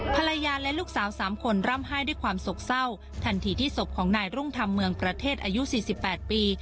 ภรรยาและลูกสาวสามคนร่ำไห้ด้วยความสกเศร้าทันทีที่สบของนายรุ่งทำเมืองประเทศอายุสี่สิบแปดปี